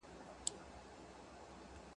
چي په خدمت کي به ئې حاضر وي.